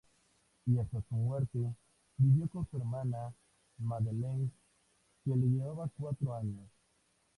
Y hasta su muerte, vivió con su hermana Madeleine, que le llevaba cuatro años.